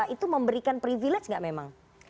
itu memberikan privilege nggak memang